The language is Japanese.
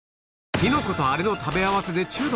キノコとあれの食べ合わせで中毒？